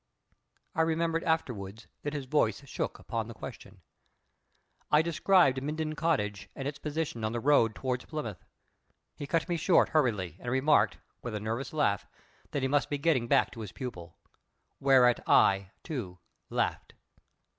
I remembered afterwards that his voice shook upon the question. I described Minden Cottage and its position on the road towards Plymouth. He cut me short hurriedly, and remarked, with a nervous laugh, that he must be getting back to his pupil. Whereat I, too, laughed.